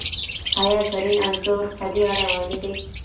ایا زرین انځور په دې اړه ویلي دي؟